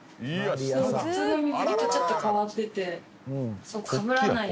普通の水着とちょっと変わっててかぶらないやつで。